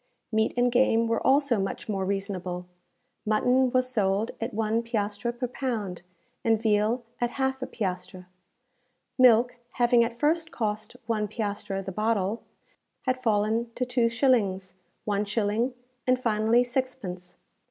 Meat and game were also much more reasonable. Mutton was sold at one piastre per pound, and veal at half a piastre. Milk, having at first cost one piastre the bottle, had fallen to two shillings, one shilling, and, finally, sixpence.